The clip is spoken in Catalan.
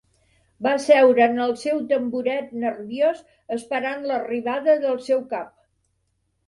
Va seure en el seu tamboret nerviós esperant l'arribada del seu cap.